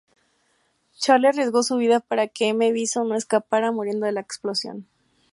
Charlie arriesgó su vida para que M. Bison no escapara, muriendo en la explosión.